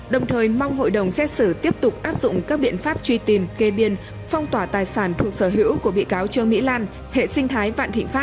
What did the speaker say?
đồng thời mong hội đồng xét xử tiếp tục áp dụng các biện pháp truy tìm kê biên phong tỏa tài sản thuộc sở hữu của bị cáo trương mỹ lan hệ sinh thái vạn thịnh pháp